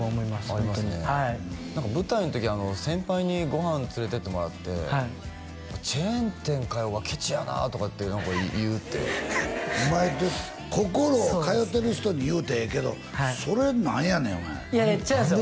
ホントにはい何か舞台の時先輩にご飯連れてってもらって「チェーン店かよケチやな」とかって言うってお前心通うてる人に言うてええけどそれ何やねんお前いやいや違うんですよ